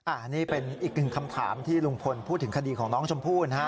อันนี้เป็นอีกหนึ่งคำถามที่ลุงพลพูดถึงคดีของน้องชมพู่นะฮะ